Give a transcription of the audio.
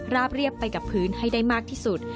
เรียบไปกับพื้นให้ได้มากที่สุด